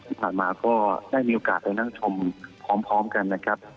ที่ผ่านมาก็ได้มีโอกาสไปนั่งชมพร้อมกันนะครับ